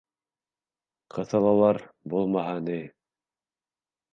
Ҡыҫалалар булмаһа ни...